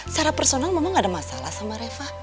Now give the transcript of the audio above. secara personal mama nggak ada masalah sama reva